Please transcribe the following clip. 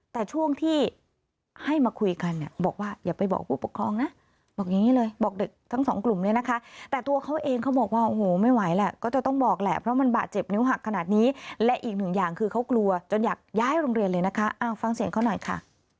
แต่ช่วงที่ให้มาคุยกันเนี่ยบอกว่าอย่าไปบอกผู้ปกครองนะบอกอย่างนี้เลยบอกเด็กทั้งสองกลุ่มเนี่ยนะคะแต่ตัวเขาเองเขาบอกว่าโอ้โหไม่ไหวแหละก็จะต้องบอกแหละเพราะมันบาดเจ็บนิ้วหักขนาดนี้และอีกหนึ่งอย่างคือเขากลัวจนอยากย้ายโรงเรียนเลยนะคะฟังเสียงเขาหน่อยค่ะ